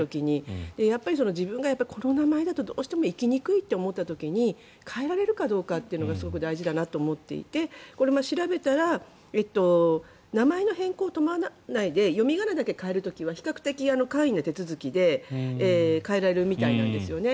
やっぱり自分がこの名前だとどうしても生きにくいって思った時に変えられるかどうかというのがすごく大事だなと思っていて調べたら名前の変更を伴わないで読み仮名だけ変える時は比較的簡易な手続きで変えられるみたいなんですね。